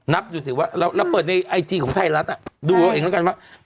นับดูสิว่าเราเปิดในไอจีของไทยรัฐดูเอาเองแล้วกันว่า